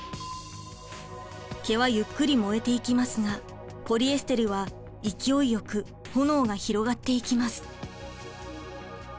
毛はゆっくり燃えていきますがポリエステルは勢いよく炎が広がっていきます。